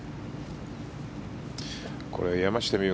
これ、山下美夢